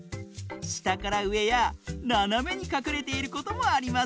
したからうえやななめにかくれていることもありますよ！